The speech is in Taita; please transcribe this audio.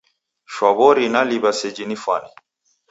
Shwa w'ori naliw'a seji nifwane.